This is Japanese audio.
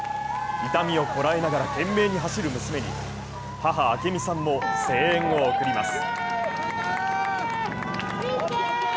痛みをこらえながら懸命に走る娘に母・明美さんも声援を送ります。